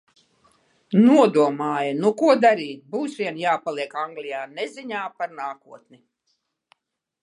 Nodomāju: nu ko darīt, būs vien jāpaliek Anglijā neziņā par nākotni.